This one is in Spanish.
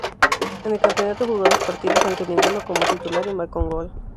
En el campeonato jugó dos partidos, aunque ninguno como titular, y marcó un gol.